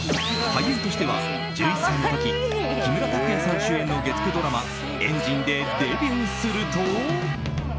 俳優としては１１歳の時木村拓哉さん主演の月９ドラマ「エンジン」でデビューすると。